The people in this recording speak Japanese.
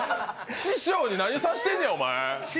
師匠に何さしてんねん、お前。